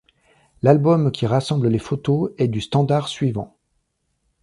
L'album qui rassemble les photos est du Standard suivant.